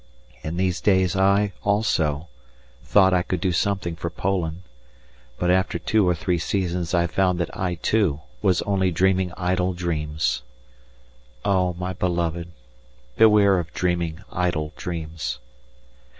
In these days I, also, thought I could do something for Poland, but after two or three seasons I found that I, too, was only dreaming idle dreams. Oh! my beloved, beware of dreaming idle dreams.